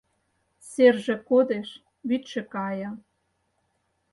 Серже кодеш — вӱдшӧ кая